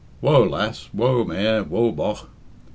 Woa, lass, woa, mare, woa, bogh!"